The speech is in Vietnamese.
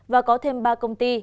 và có thêm ba công ty